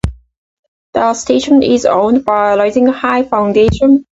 The station is owned by Rising High Foundation.